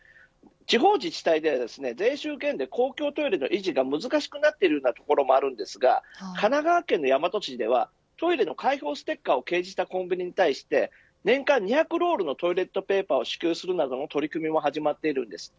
地方自治体は税収減で公共トイレの維持が難しくなっているところもありますが神奈川県の大和市ではトイレの開放ステッカーを掲示したコンビニに対して年間２００ロールのトイレットペーパーを支給するなどの取り組みも始まっているんです。